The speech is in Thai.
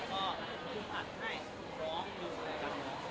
ก็ไปเกณฑ์โรงโทษใกล้เราก็